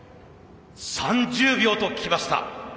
３０秒ときました。